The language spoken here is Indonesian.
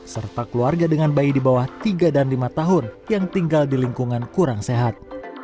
serta keluarga dengan bayi di bawah tiga dan lima tahun yang tinggal di lingkungan kurang sehat